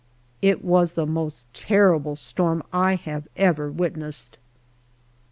It was the most terrible storm I have ever witnessed.